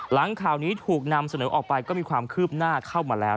หลังข่าวนี้ถูกนำเสนอออกไปก็มีความคืบหน้าเข้ามาแล้ว